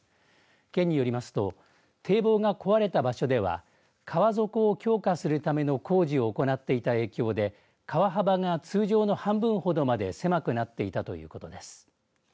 県によりますと堤防が壊れた場所では川底を強化するための工事を行っていた影響で川幅が通常の半分ほどまで狭くなっていたということです。